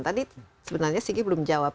tadi sebenarnya sigi belum jawab